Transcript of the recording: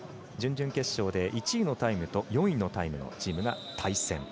準々決勝で１位のタイムと４位のタイムのチームが対戦。